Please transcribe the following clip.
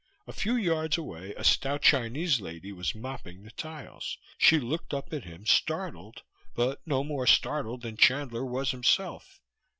A few yards away a stout Chinese lady was mopping the tiles; she looked up at him, startled, but no more startled than Chandler was himself.